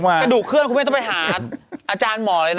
กระดูกเคลื่อนคุณแม่ต้องไปหาอาจารย์หมอเลยนะ